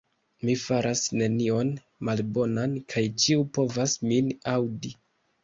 Mi faras nenion malbonan, kaj ĉiu povas min aŭdi.